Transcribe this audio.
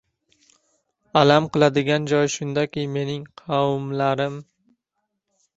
Alam qiladigan joyi shundaki, mening «qavmlarim»